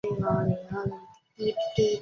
教区位于南宽扎省。